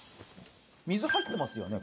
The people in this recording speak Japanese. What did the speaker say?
水入ってますよね？